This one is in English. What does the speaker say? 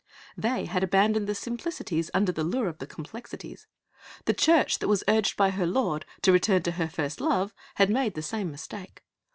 They had abandoned the simplicities under the lure of the complexities. The Church that was urged by her Lord to return to her first love had made the same mistake.